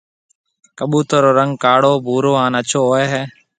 ڪٻُوتر رو رنگ ڪاݪو، ڀورو هانَ اڇو هوئي هيَ۔